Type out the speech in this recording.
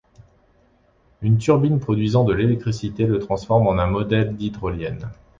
Une turbine produisant de l'électricité le transforme en un modèle d'hydroliennes.